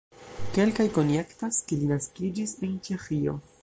Kelkaj konjektas, ke li naskiĝis en Ĉeĥio.